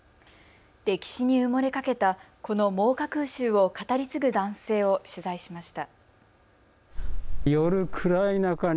歴史に埋もれかけたこの真岡空襲を語り継ぐ男性を取材しました。